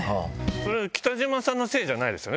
それは北島さんのせいじゃないですよね？